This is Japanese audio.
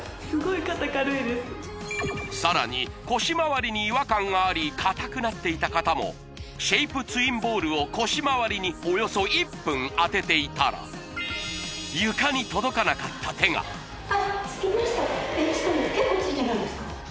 さらに腰周りに違和感があり硬くなっていた方もシェイプツインボールを腰周りにおよそ１分当てていたら床に届かなかった手があっつきましたしかも結構ついてないですか？